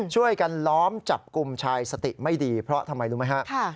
ช่วยกันล้อมจับกลุ่มชายสติไม่ดีเพราะทำไมรู้ไหมฮะ